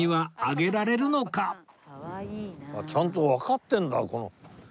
あっちゃんとわかってるんだこの。